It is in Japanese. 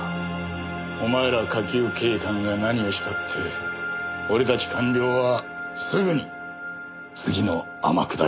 お前ら下級警官が何をしたって俺たち官僚はすぐに次の天下りを開発するね。